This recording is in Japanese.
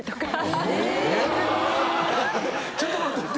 ちょっと待っといて。